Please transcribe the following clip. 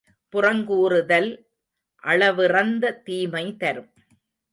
புறங்கூறுதல் அளவிறந்த தீமை தரும்.